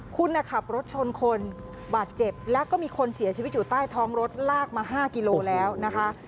คุณขับรถชนคนบาดเจ็บแล้วก็มีคนเสียชีวิตอยู่ใต้ท้องรถลากมา๕กิโลแล้วนะคะ